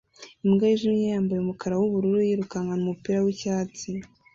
Imbwa yijimye yambaye umukara wubururu yirukankana umupira wicyatsi